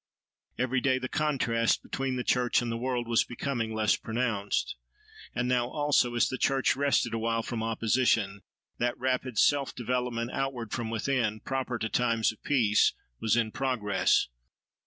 Every day the contrast between the church and the world was becoming less pronounced. And now also, as the church rested awhile from opposition, that rapid self development outward from within, proper to times of peace, was in progress.